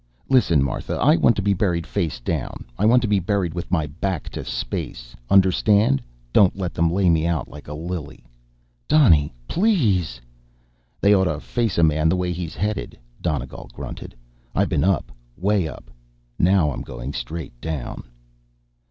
"Listen, Martha, I want to be buried face down. I want to be buried with my back to space, understand? Don't let them lay me out like a lily." "Donny, please!" "They oughta face a man the way he's headed," Donegal grunted. "I been up way up. Now I'm going straight down."